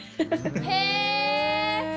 へえ！